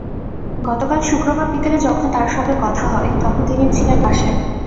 গতকাল শুক্রবার বিকেলে যখন তাঁর সঙ্গে কথা হয়, তখন তিনি ছিলেন বাসায়।